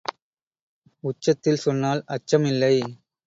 உச்சத்தில் சொன்னால் அச்சம் இல்லை.